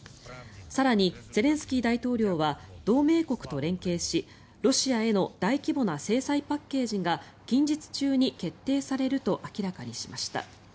更にゼレンスキー大統領は同盟国と連携しロシアへの大規模な制裁パッケージが近日中に決定されると明らかにしました。